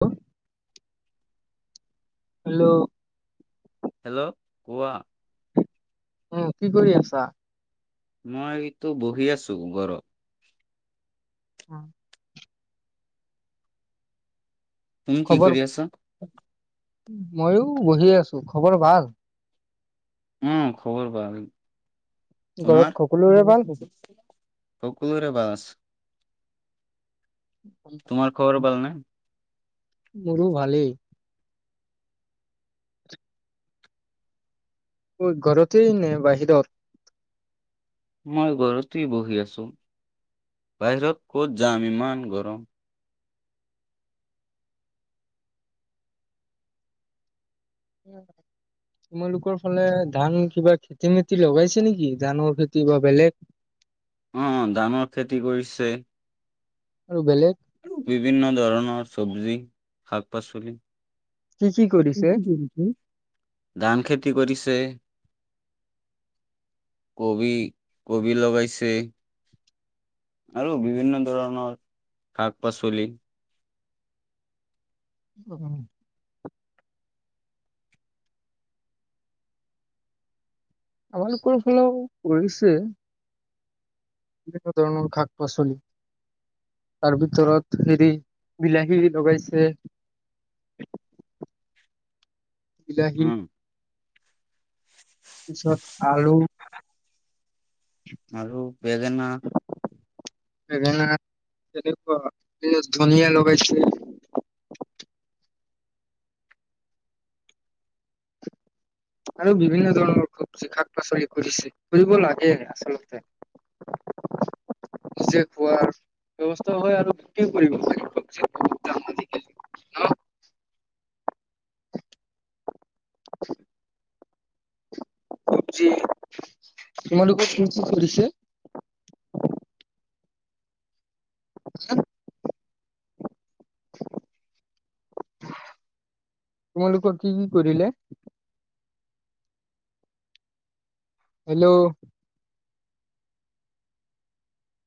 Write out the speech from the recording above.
অ hello কোৱা উম কি কৰি আছা মইতো বহি আছো ঘৰত [inaudible] তুমি কি খবৰ কৰি আছা ময়ো বহি আছো খবৰ ভাল উম খবৰ ভাল ঘৰত তোমাৰ সকলোৰে ভাল? সকলোৰে ভাল আছে তোমাৰ খবৰ বাল নে [inaudible] মোৰো ভালেই কত ঘৰতেই নে বাহিৰত মই ঘৰতেই বহি আছো বাহিৰত ক'ত যাম ইমান গৰম তোমালোকৰ ফালে ধান কিবা খেতি মেতি লগাইছে নেকি ধানৰ খেতি বা বেলেগ অহ ধানৰ খেতি কৰিছে আৰু বেলেগ আৰু বিভিন্ন ধৰণৰ চব্জি শাক পাচলি কি কি কৰিছে? কি কৰিছে ধান খেতি খেতি কৰিছে কবি কবি লগাইছে আৰু বিভিন্ন ধৰণৰ শাক পাচলি উম আমালোকৰ ফালেও কৰিছে ধৰণৰ শাক পাচলি। তাৰ ভিতৰত হেৰি, বিলাহী লগাইছে। বিলাহী। উম পিছত আৰু। আৰু বেঙেনা ধুনীয়া লগাইছো। আৰু বিভিন্ন ধৰণৰ শাক পাচলি কৰিছে, কৰিব লাগে আচলতে। নিজে খোৱাৰ, হয় আৰু বিক্ৰীও কৰিব লাগে চব্জি ন। যি তোমালোকৰ কি কি কৰিছে। [inaudible] তোমালোকৰ কি কি কৰিলে? হেল্ল'।